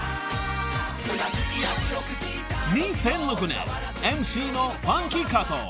［２００６年ＭＣのファンキー加藤。